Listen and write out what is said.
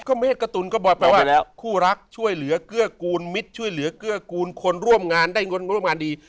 เมฆกระตุนก็บ่อยแปลว่าคู่รักช่วยเหลือเกื้อกูลมิตรช่วยเหลือเกื้อกูลคนร่วมงานได้เงินงบงานดี